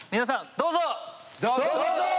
どうぞ！